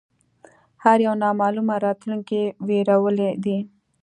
هر یو نامعلومه راتلونکې وېرولی دی